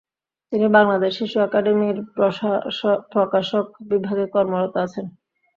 তিনি বাংলাদেশ শিশু একাডেমির প্রকাশনা বিভাগে কর্মরত আছেন।